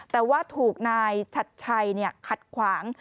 แต่ว่าถูกนายชัดชัยขัดขวาง